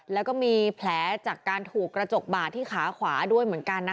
แล้วก็มีแผลจากการถูกกระจกบาดที่ขาขวาด้วยเหมือนกันนะคะ